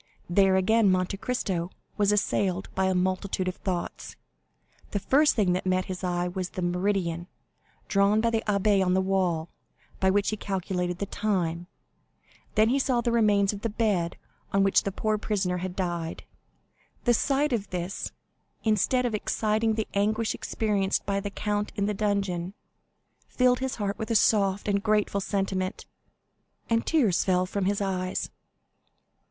There, again, Monte Cristo was assailed by a multitude of thoughts. The first thing that met his eye was the meridian, drawn by the abbé on the wall, by which he calculated the time; then he saw the remains of the bed on which the poor prisoner had died. The sight of this, instead of exciting the anguish experienced by the count in the dungeon, filled his heart with a soft and grateful sentiment, and tears fell from his eyes.